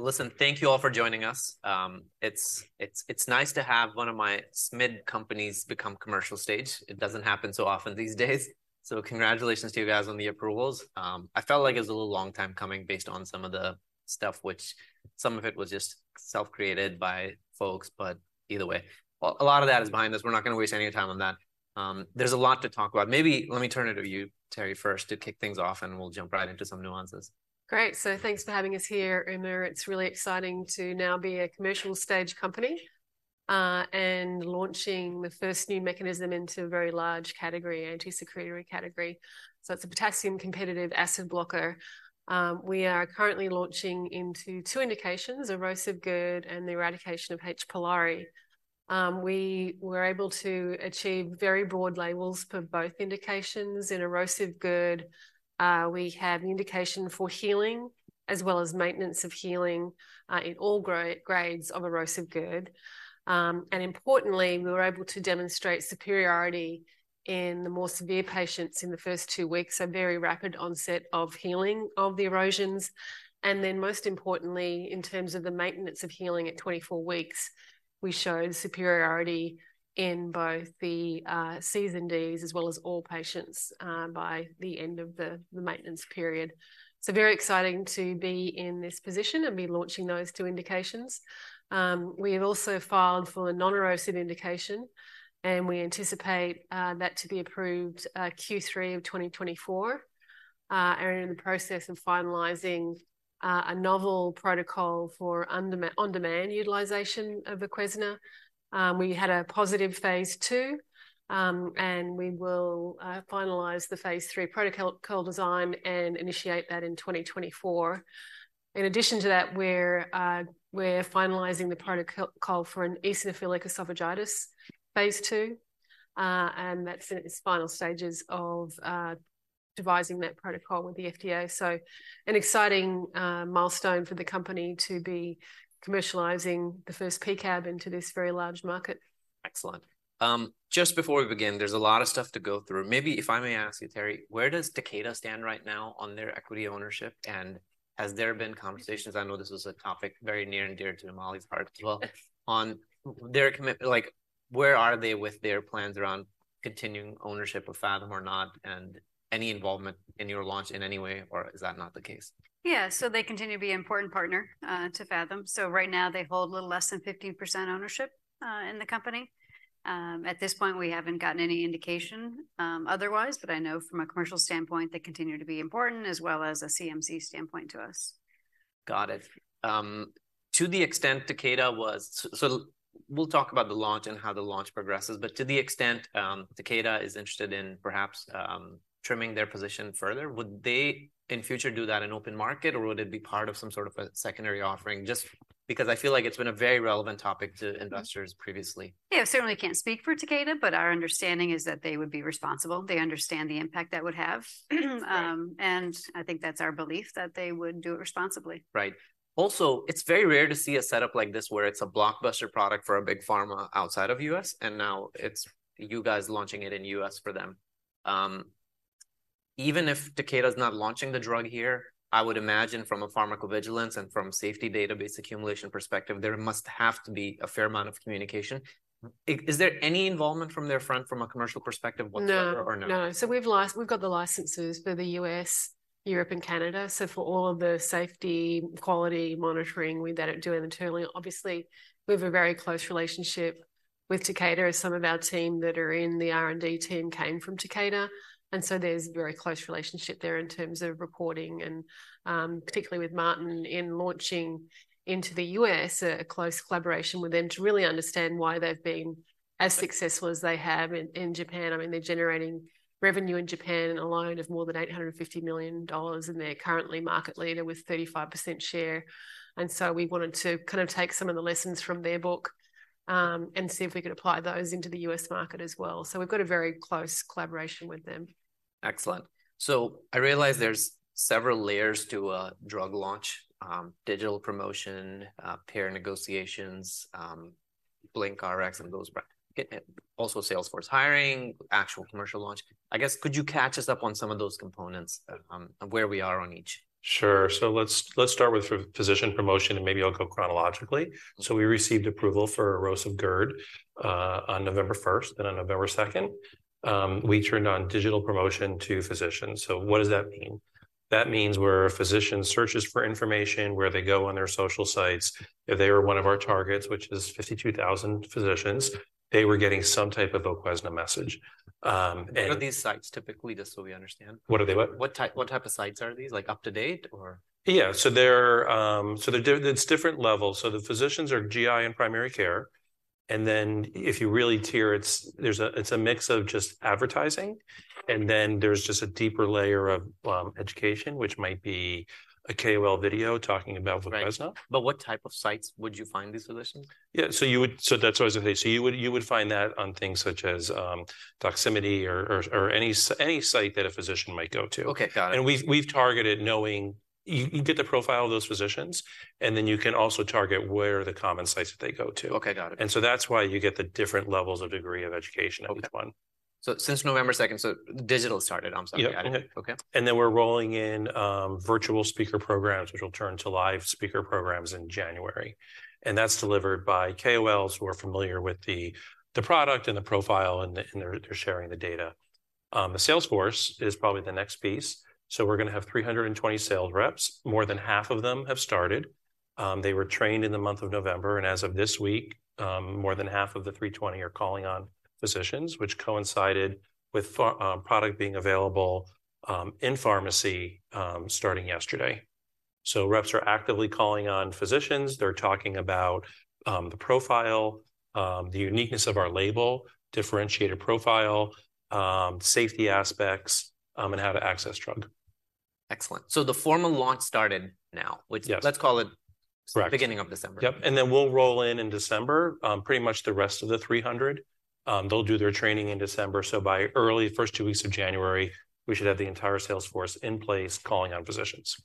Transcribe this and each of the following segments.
Well, listen, thank you all for joining us. It's nice to have one of my SMid companies become commercial stage. It doesn't happen so often these days, so congratulations to you guys on the approvals. I felt like it was a little long time coming based on some of the stuff which some of it was just self-created by folks, but either way. Well, a lot of that is behind us. We're not gonna waste any time on that. There's a lot to talk about. Maybe let me turn it to you, Terrie, first, to kick things off, and we'll jump right into some nuances. Great. So thanks for having us here, Umair. It's really exciting to now be a commercial-stage company, and launching the first new mechanism into a very large category, antisecretory category. So it's a potassium-competitive acid blocker. We are currently launching into two indications, Erosive GERD and the eradication of H. pylori. We were able to achieve very broad labels for both indications. In Erosive GERD, we have an indication for healing, as well as maintenance of healing, in all grades of Erosive GERD. And importantly, we were able to demonstrate superiority in the more severe patients in the first two weeks, a very rapid onset of healing of the erosions, and then, most importantly, in terms of the maintenance of healing at 24 weeks, we showed superiority in both the Cs and Ds, as well as all patients, by the end of the maintenance period. So very exciting to be in this position and be launching those two indications. We have also filed for a non-erosive indication, and we anticipate that to be approved Q3 of 2024. And we're in the process of finalizing a novel protocol for on-demand utilization of VOQUEZNA. We had a positive phase II, and we will finalize the phase III protocol design and initiate that in 2024. In addition to that, we're finalizing the protocol for an Eosinophilic Esophagitis phase II, and that's in its final stages of devising that protocol with the FDA. So an exciting milestone for the company to be commercializing the first PCAB into this very large market. Excellent. Just before we begin, there's a lot of stuff to go through. Maybe if I may ask you, Terrie, where does Takeda stand right now on their equity ownership, and has there been conversations? I know this was a topic very near and dear to Molly's heart as well. On their Like, where are they with their plans around continuing ownership of Phathom or not, and any involvement in your launch in any way, or is that not the case? Yeah, so they continue to be an important partner to Phathom. So right now, they hold a little less than 15% ownership in the company. At this point, we haven't gotten any indication otherwise, but I know from a commercial standpoint, they continue to be important, as well as a CMC standpoint to us. Got it. To the extent Takeda was— So we'll talk about the launch and how the launch progresses, but to the extent Takeda is interested in perhaps trimming their position further, would they, in future, do that in open market, or would it be part of some sort of a secondary offering? Just because I feel like it's been a very relevant topic to investors previously. Yeah. Certainly can't speak for Takeda, but our understanding is that they would be responsible. They understand the impact that would have, and I think that's our belief, that they would do it responsibly. Right. Also, it's very rare to see a setup like this, where it's a blockbuster product for a big pharma outside of U.S., and now it's you guys launching it in U.S. for them. Even if Takeda is not launching the drug here, I would imagine from a pharmacovigilance and from safety database accumulation perspective, there must have to be a fair amount of communication. Is there any involvement from their front, from a commercial perspective whatsoever or no? No, no. So we've got the licenses for the U.S., Europe, and Canada. So for all of the safety, quality monitoring, we better do them internally. Obviously, we have a very close relationship with Takeda, as some of our team that are in the R&D team came from Takeda, and so there's a very close relationship there in terms of reporting and, particularly with Martin in launching into the U.S., a close collaboration with them to really understand why they've been as successful as they have in Japan. I mean, they're generating revenue in Japan alone of more than $850 million, and they're currently market leader with 35% share, and so we wanted to kind of take some of the lessons from their book, and see if we could apply those into the U.S. market as well. We've got a very close collaboration with them. Excellent. So I realize there's several layers to a drug launch: digital promotion, payer negotiations, BlinkRx and those, also sales force hiring, actual commercial launch. I guess, could you catch us up on some of those components, where we are on each? Sure. So let's start with physician promotion, and maybe I'll go chronologically. Mm-hmm. So we received approval for Erosive GERD on November 1st, and on November 2nd, we turned on digital promotion to physicians. So what does that mean? That means where a physician searches for information, where they go on their social sites, if they were one of our targets, which is 52,000 physicians, they were getting some type of VOQUEZNA message. And- What are these sites, typically, just so we understand? What are they? What? What type of sites are these? Like, up-to-date or- Yeah. So they're... So they're different levels. So the physicians are GI and primary care, and then if you really tier it, there's—it's a mix of just advertising, and then there's just a deeper layer of education, which might be a KOL video talking about VOQUEZNA. Right. But what type of sites would you find these physicians? Yeah, so you would. So that's always the case. So you would find that on things such as Doximity or any site that a physician might go to. Okay, got it. And we've targeted knowing... You get the profile of those physicians, and then you can also target where are the common sites that they go to. Okay, got it. And so that's why you get the different levels of degree of education at each one.... So since November 2nd, so digital started. I'm sorry. Yep. Okay. And then we're rolling in virtual speaker programs, which will turn to live speaker programs in January, and that's delivered by KOLs who are familiar with the product and the profile, and they're sharing the data. The sales force is probably the next piece, so we're gonna have 320 sales reps. More than half of them have started. They were trained in the month of November, and as of this week, more than half of the 320 are calling on physicians, which coincided with product being available in pharmacy starting yesterday. So reps are actively calling on physicians. They're talking about the profile, the uniqueness of our label, differentiator profile, safety aspects, and how to access drug. Excellent. So the formal launch started now- Yes. - which let's call it- Correct... beginning of December. Yep, and then we'll roll in, in December, pretty much the rest of the 300. They'll do their training in December, so by early first two weeks of January, we should have the entire sales force in place calling on physicians.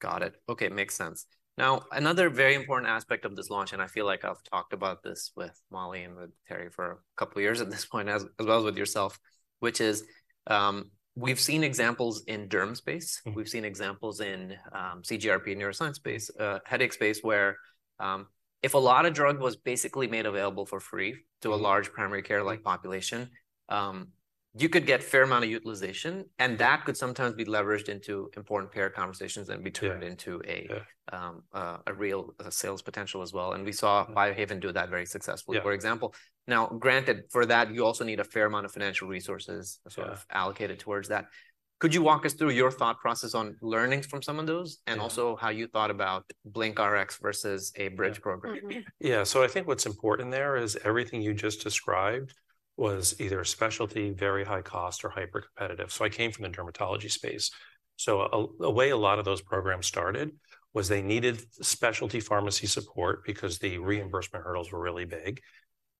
Got it. Okay, makes sense. Now, another very important aspect of this launch, and I feel like I've talked about this with Molly and with Terrie for a couple of years at this point, as well as with yourself, which is, we've seen examples in derm space. Mm-hmm. We've seen examples in CGRP neuroscience space, headache space, where if a lot of drug was basically made available for free- Mm-hmm... to a large primary care-like population, you could get fair amount of utilization, and that could sometimes be leveraged into important payer conversations and be turned- Yeah... into a... Yeah.... a real sales potential as well, and we saw Biohaven do that very successfully- Yeah.... for example. Now, granted, for that, you also need a fair amount of financial resources- Yeah.... sort of allocated towards that. Could you walk us through your thought process on learnings from some of those? Yeah.... and also how you thought about BlinkRx versus a bridge program? Yeah. Mm-hmm. Yeah, so I think what's important there is everything you just described was either a specialty, very high cost, or hypercompetitive. So I came from a dermatology space, so a way a lot of those programs started was they needed specialty pharmacy support because the reimbursement hurdles were really big.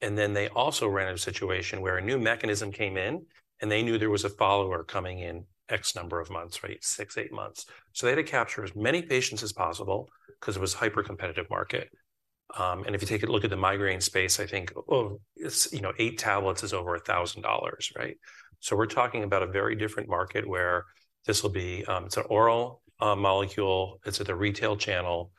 And then they also ran a situation where a new mechanism came in, and they knew there was a follower coming in X number of months, right? six, eight months. So they had to capture as many patients as possible 'cause it was hypercompetitive market. And if you take a look at the migraine space, I think, oh, it's, you know, eight tablets is over $1,000, right? So we're talking about a very different market where this will be... It's an oral molecule, it's at the retail channel,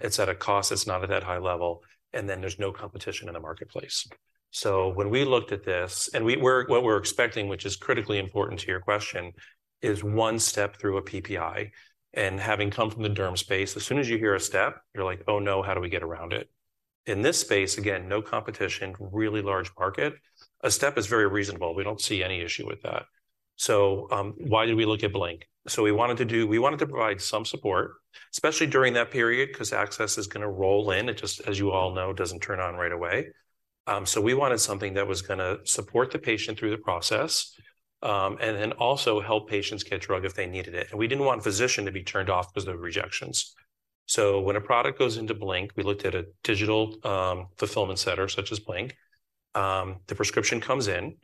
it's at a cost that's not at that high level, and then there's no competition in the marketplace. So when we looked at this, what we're expecting, which is critically important to your question, is one step through a PPI. And having come from the derm space, as soon as you hear a step, you're like: "Oh, no, how do we get around it?" In this space, again, no competition, really large market, a step is very reasonable. We don't see any issue with that. So, why did we look at Blink? We wanted to provide some support, especially during that period, 'cause access is gonna roll in. It just, as you all know, doesn't turn on right away. So we wanted something that was gonna support the patient through the process, and then also help patients get drug if they needed it, and we didn't want physician to be turned off because of rejections. So when a product goes into Blink, we looked at a digital fulfillment center, such as Blink. The prescription comes in,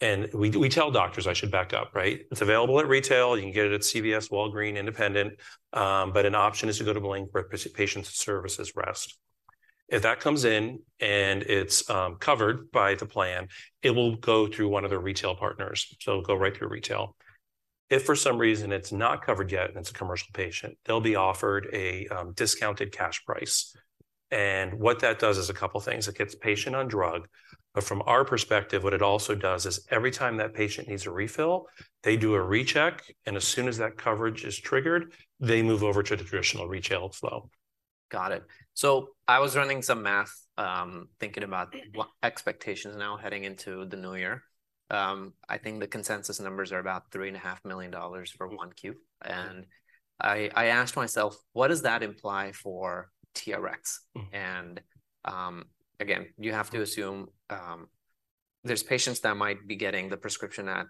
and we tell doctors I should back up, right? It's available at retail. You can get it at CVS, Walgreens, independent, but an option is to go to Blink where patient services rest. If that comes in and it's covered by the plan, it will go through one of the retail partners, so it'll go right through retail. If for some reason it's not covered yet, and it's a commercial patient, they'll be offered a discounted cash price, and what that does is a couple of things: it gets patient on drug. But from our perspective, what it also does is every time that patient needs a refill, they do a recheck, and as soon as that coverage is triggered, they move over to the traditional retail flow. Got it. So I was running some math, thinking about what expectations now heading into the new year. I think the consensus numbers are about $3.5 million for 1Q. Mm-hmm. I asked myself, what does that imply for TRX? Mm-hmm. Again, you have to assume there's patients that might be getting the prescription at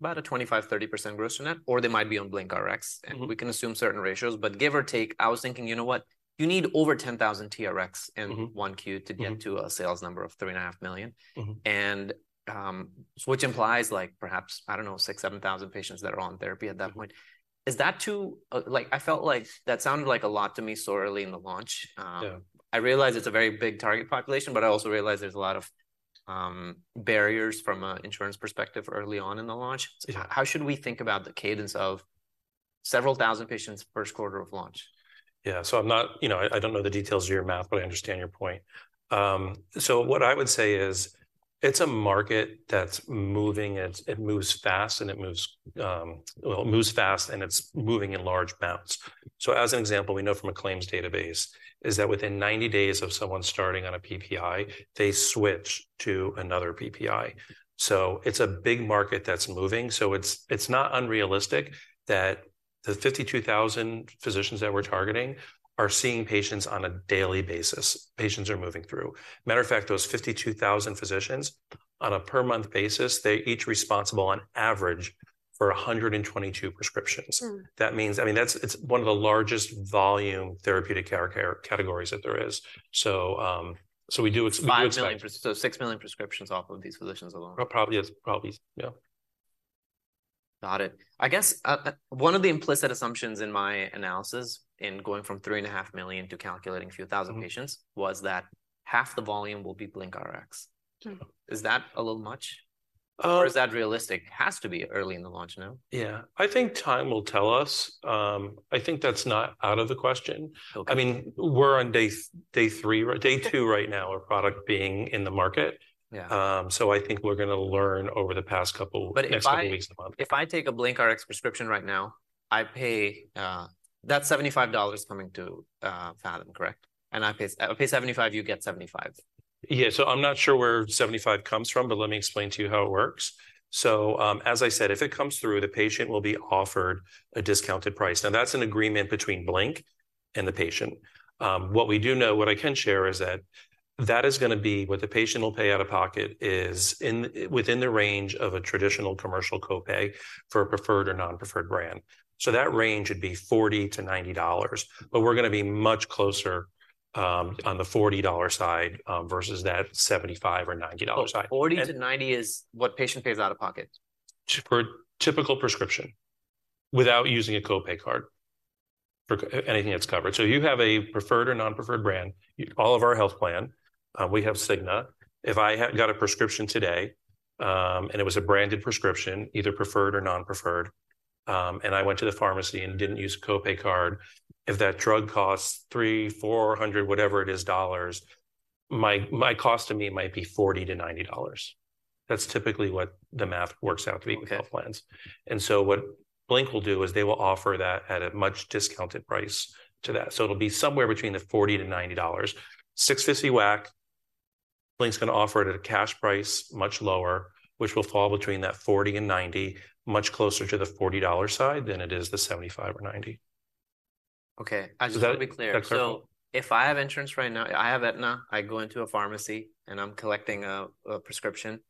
about a 25%-30% gross on it, or they might be on BlinkRx- Mm-hmm.... and we can assume certain ratios, but give or take, I was thinking, you know what? You need over 10,000 TRX- Mm-hmm.... in one queue- Mm-hmm... to get to a sales number of $3.5 million. Mm-hmm. Which implies like perhaps, I don't know, 6,000-7,000 patients that are on therapy at that point. Mm-hmm. Is that too, like, I felt like that sounded like a lot to me so early in the launch. Yeah. I realize it's a very big target population, but I also realize there's a lot of barriers from an insurance perspective early on in the launch. Yeah. How should we think about the cadence of several thousand patients per quarter of launch? Yeah. So I'm not... You know, I, I don't know the details of your math, but I understand your point. So what I would say is, it's a market that's moving. It's, it moves fast, and it moves... Well, it moves fast, and it's moving in large bounds. So as an example, we know from a claims database, is that within 90 days of someone starting on a PPI, they switch to another PPI. So it's a big market that's moving, so it's, it's not unrealistic that the 52,000 physicians that we're targeting are seeing patients on a daily basis. Patients are moving through. Matter of fact, those 52,000 physicians, on a per month basis, they're each responsible on average for 122 prescriptions. Mm. That means... I mean, that's - it's one of the largest volume therapeutic care categories that there is. So, we do expect- 5 million, so 6 million prescriptions off of these physicians alone? Probably, yes. Probably, yeah. ... Got it. I guess, one of the implicit assumptions in my analysis in going from 3.5 million to calculating a few thousand patients- Mm-hmm. -was that half the volume will be BlinkRx. Mm-hmm. Is that a little much? Uh.. Or is that realistic? Has to be early in the launch, no? Yeah, I think time will tell us. I think that's not out of the question. Okay. I mean, we're on day three, right, day two right now, our product being in the market. Yeah. So I think we're gonna learn over the past couple- But if I- next couple weeks and months.... If I take a BlinkRx prescription right now, I pay, that's $75 coming to Phathom, correct? And I pay, I pay $75, you get $75. Yeah. So I'm not sure where $75 comes from, but let me explain to you how it works. So, as I said, if it comes through, the patient will be offered a discounted price. Now, that's an agreement between Blink and the patient. What we do know, what I can share is that, that is gonna be what the patient will pay out of pocket, is within the range of a traditional commercial copay for a preferred or non-preferred brand. So that range would be $40-$90, but we're gonna be much closer, on the $40 side, versus that $75 or $90 side. $40-$90 is what patient pays out of pocket? For a typical prescription, without using a copay card, for anything that's covered. So you have a preferred or non-preferred brand. All of our health plan, we have Cigna. If I had got a prescription today, and it was a branded prescription, either preferred or non-preferred, and I went to the pharmacy and didn't use a copay card, if that drug costs $300-$400, whatever it is, dollars, my, my cost to me might be $40-$90. That's typically what the math works out to be- Okay. ...with health plans. And so what Blink will do is they will offer that at a much discounted price to that. So it'll be somewhere between $40-$90. $650 WAC, Blink's gonna offer it at a cash price much lower, which will fall between that $40 and $90, much closer to the 40-dollar side than it is the $75 or $90. Okay. Does that.. Just to be clear. That clear? So if I have insurance right now... I have Aetna, I go into a pharmacy, and I'm collecting a prescription,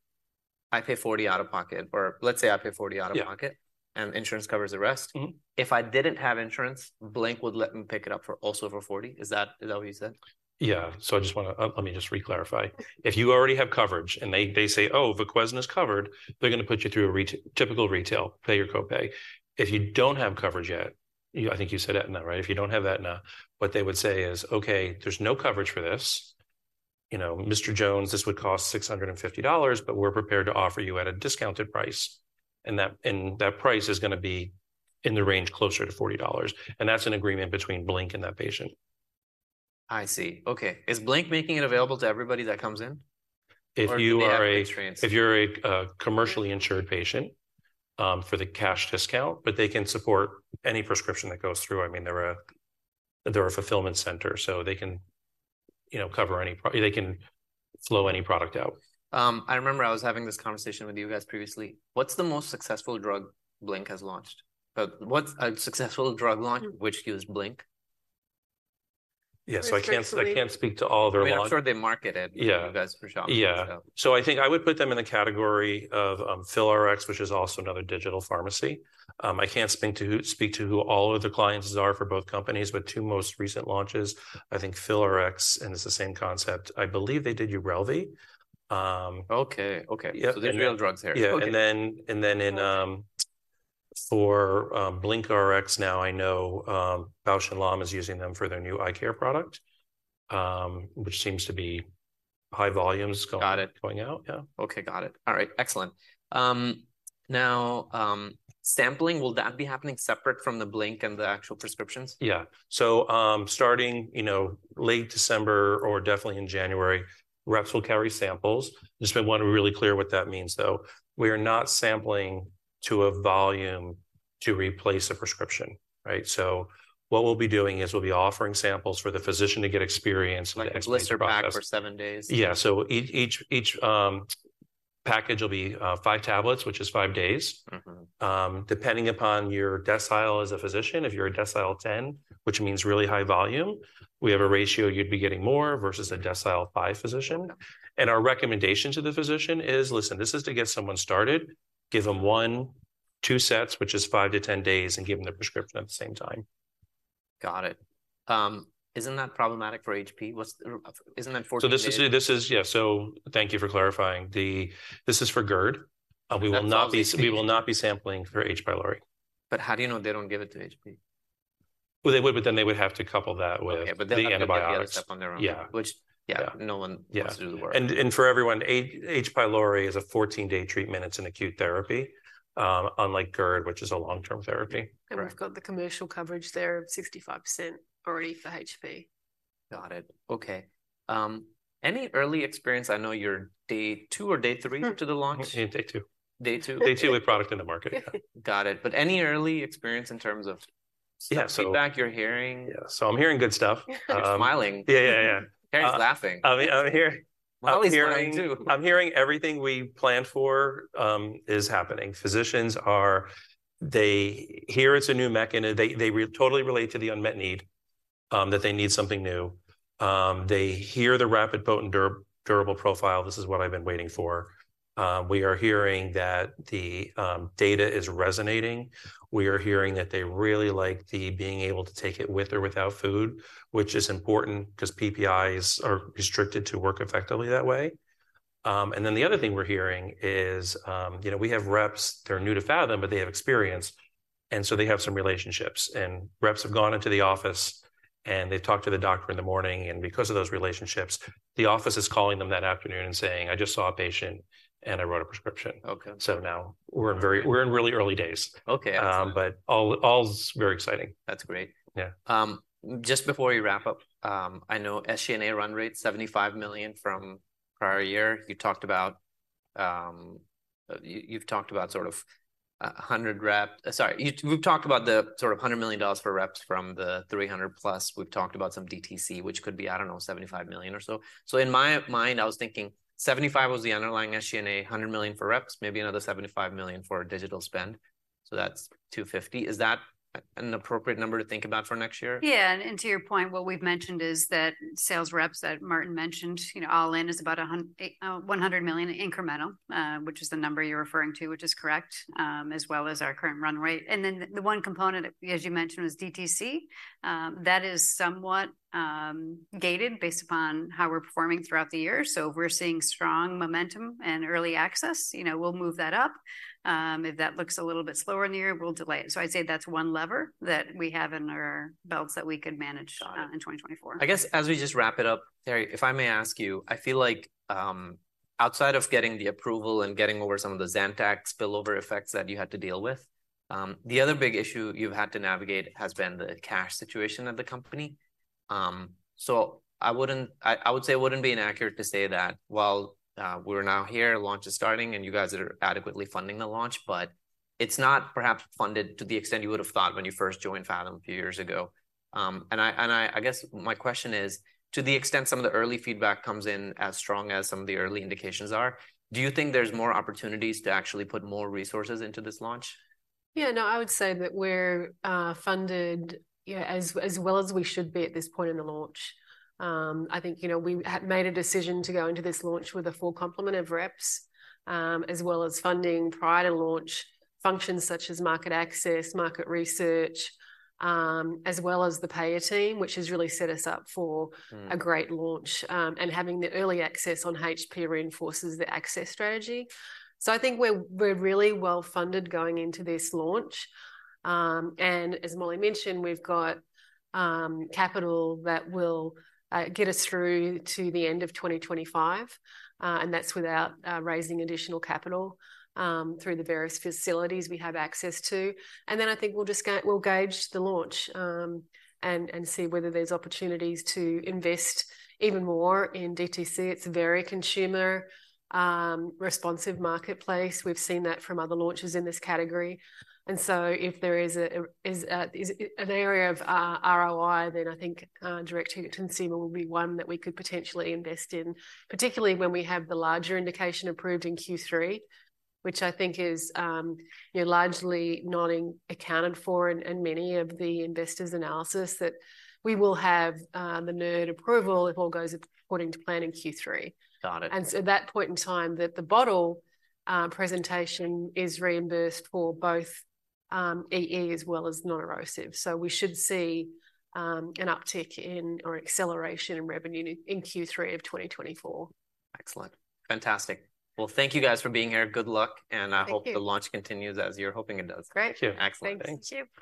I pay $40 out of pocket, or let's say I pay $40 out of pocket- Yeah. and insurance covers the rest. Mm-hmm. If I didn't have insurance, Blink would let me pick it up for also for $40. Is that, is that what you said? Yeah. So I just wanna... let me just re-clarify. If you already have coverage and they say: "Oh, VOQUEZNA is covered," they're gonna put you through a typical retail, pay your copay. If you don't have coverage yet, you—I think you said Aetna, right? If you don't have Aetna, what they would say is: "Okay, there's no coverage for this. You know, Mr. Jones, this would cost $650, but we're prepared to offer you at a discounted price." And that price is gonna be in the range closer to $40, and that's an agreement between Blink and that patient. I see. Okay. Is Blink making it available to everybody that comes in? If you are a- Or if they have insurance?... if you're a commercially insured patient for the cash discount, but they can support any prescription that goes through. I mean, they're a fulfillment center, so they can, you know, cover any. They can flow any product out. I remember I was having this conversation with you guys previously. What's the most successful drug Blink has launched? What's a successful drug launch which used Blink? Yeah, so I can't- Recently-... I can't speak to all of their launch. I mean, I'm sure they market it- Yeah... you guys for sure. Yeah. So- So I think I would put them in the category of PhilRx, which is also another digital pharmacy. I can't speak to who all of the clients are for both companies, but two most recent launches, I think, PhilRx, and it's the same concept. I believe they did Yervoy. Okay, okay. Yeah. They're real drugs there. Yeah. Okay. And then in for BlinkRx, now I know, Bausch + Lomb is using them for their new eye care product, which seems to be high volumes- Got it... going out. Yeah. Okay, got it. All right, excellent. Now, sampling, will that be happening separate from the Blink and the actual prescriptions? Yeah. So, starting, you know, late December or definitely in January, reps will carry samples. Just wanna be really clear what that means, though. We are not sampling to a volume to replace a prescription, right? So what we'll be doing is, we'll be offering samples for the physician to get experience- Like a blister pack for seven days? Yeah, so each package will be five tablets, which is five days. Mm-hmm. Depending upon your decile as a physician, if you're a decile 10, which means really high volume, we have a ratio, you'd be getting more versus a decile five physician. Okay. Our recommendation to the physician is: "Listen, this is to get someone started. Give them one, two sets, which is 5-10 days, and give them the prescription at the same time. Got it. Isn't that problematic for H. pylori? What's... Isn't that 14 days- So this is... Yeah, so thank you for clarifying. This is for GERD. That's also- We will not be sampling for H. pylori. But how do you know they don't give it to HP? Well, they would, but then they would have to couple that with- Okay, but they'll-... the antibiotics have to do that stuff on their own. Yeah. Which- Yeah ... no one Yeah wants to do the work. For everyone, H. pylori is a 14-day treatment. It's an acute therapy, unlike GERD, which is a long-term therapy. Correct. We've got the commercial coverage there of 65% already for HP. Got it. Okay. Any early experience, I know you're day two or day three- Mm... to the launch? Day two. Day two? Day two with product in the market, yeah. Got it. But any early experience in terms of- Yeah, so- feedback you're hearing? Yeah. I'm hearing good stuff. You're smiling. Yeah, yeah, yeah. Terrie's laughing. I'm here- Molly's smiling, too. I'm hearing everything we planned for is happening. Physicians are... They hear it's a new mechanism. They totally relate to the unmet need that they need something new. They hear the rapid potent durable profile, "This is what I've been waiting for." We are hearing that the data is resonating. We are hearing that they really like the being able to take it with or without food, which is important because PPIs are restricted to work effectively that way. And then the other thing we're hearing is, you know, we have reps, they're new to Phathom, but they have experience, and so they have some relationships. Reps have gone into the office, and they've talked to the doctor in the morning, and because of those relationships, the office is calling them that afternoon and saying, "I just saw a patient, and I wrote a prescription. Okay. So now we're in really early days. Okay, absolutely. But all's very exciting. That's great. Yeah. Just before we wrap up, I know SG&A run rate, $75 million from prior year. You talked about, you've talked about sort of a, a hundred rep- sorry, you- we've talked about the sort of $100 million dollars for reps from the 300 plus. We've talked about some DTC, which could be, I don't know, $75 million or so. So in my mind, I was thinking $75 million was the underlying SG&A, $100 million for reps, maybe another $75 million for digital spend, so that's $250 million. Is that an appropriate number to think about for next year? Yeah, and to your point, what we've mentioned is that sales reps, that Martin mentioned, you know, all in is about $100 million incremental, which is the number you're referring to, which is correct, as well as our current run rate. And then the one component, as you mentioned, was DTC. That is somewhat gated based upon how we're performing throughout the year. So if we're seeing strong momentum and early access, you know, we'll move that up. If that looks a little bit slower in the year, we'll delay it. So I'd say that's one lever that we have in our belts that we could manage- Got it. in 2024. I guess, as we just wrap it up, Terrie, if I may ask you, I feel like, outside of getting the approval and getting over some of the Zantac spillover effects that you had to deal with, the other big issue you've had to navigate has been the cash situation of the company. So I would say it wouldn't be inaccurate to say that while, we're now here, launch is starting, and you guys are adequately funding the launch, but it's not perhaps funded to the extent you would've thought when you first joined Phathom a few years ago. And I guess my question is, to the extent some of the early feedback comes in as strong as some of the early indications are, do you think there's more opportunities to actually put more resources into this launch? Yeah, no, I would say that we're funded, yeah, as well as we should be at this point in the launch. I think, you know, we had made a decision to go into this launch with a full complement of reps, as well as funding prior to launch, functions such as market access, market research, as well as the payer team, which has really set us up for- Mm... a great launch. And having the early access on HP reinforces the access strategy. So I think we're really well funded going into this launch. And as Molly mentioned, we've got capital that will get us through to the end of 2025, and that's without raising additional capital through the various facilities we have access to. And then I think we'll just gauge the launch, and see whether there's opportunities to invest even more in DTC. It's a very consumer responsive marketplace. We've seen that from other launches in this category, and so if there is an area of ROI, then I think direct-to-consumer will be one that we could potentially invest in, particularly when we have the larger indication approved in Q3, which I think is, you know, largely not accounted for in many of the investors' analysis, that we will have the NERD approval if all goes according to plan in Q3. Got it. At that point in time that the bottle presentation is reimbursed for both EE as well as non-erosive. So we should see an uptick in or acceleration in revenue in Q3 of 2024. Excellent. Fantastic. Well, thank you guys for being here. Good luck, and- Thank you... I hope the launch continues as you're hoping it does. Great. Thank you. Excellent. Thanks.